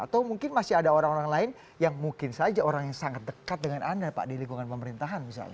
atau mungkin masih ada orang orang lain yang mungkin saja orang yang sangat dekat dengan anda pak di lingkungan pemerintahan misalnya